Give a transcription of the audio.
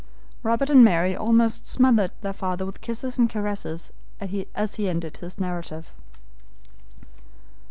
Robert and Mary almost smothered their father with kisses and caresses as he ended his narrative.